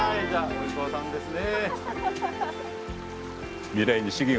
おりこうさんですね。